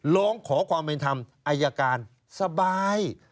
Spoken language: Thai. ร้องขอความเป็นธรรมอายการสบาย